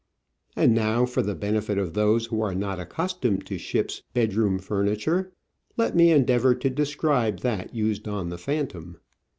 And now, for the benefit of those who are not accustomed to ship's bed room furniture, let me endeavour to describe that in use on the Phantom.